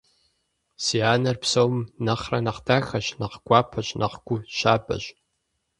Си анэр псом нэхърэ нэхъ дахэщ, нэхъ гуапэщ, нэхъ гу щабэщ.